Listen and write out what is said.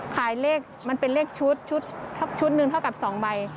ขายเลขมันเป็นเลขชุดชุดหนึ่งเท่ากับ๒ใบ